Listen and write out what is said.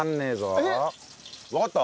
わかった？